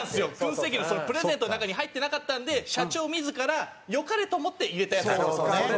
燻製機のプレゼントの中に入ってなかったんで社長自ら良かれと思って入れたやつなんですよ。